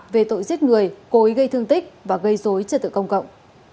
về tội giết người cối gây thương tích và gây dối trợ tự công cộng